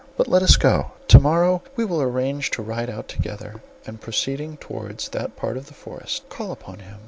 But let us go; to morrow we will arrange to ride out together, and proceeding towards that part of the forest, call upon him."